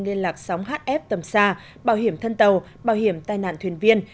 liên lạc sóng hf tầm xa bảo hiểm thân tàu bảo hiểm tai nạn thuyền viên